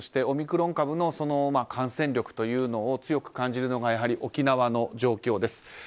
オミクロン株の感染力というのを強く感じるのがやはり沖縄の状況です。